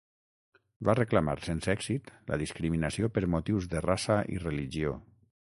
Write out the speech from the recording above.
Va reclamar sense èxit la discriminació per motius de raça i religió.